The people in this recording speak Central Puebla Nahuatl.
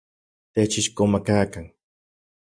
Techixkomakakan.